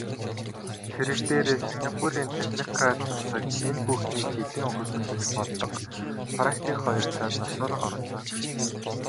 Хэрэг дээрээ Сингапурын технократ засаг энэ бүхнийг хэдийн ухамсарлаж бодлого, практик хоёртоо засвар оруулсан.